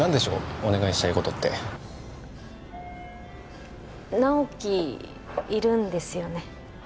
お願いしたいことって直木いるんですよね？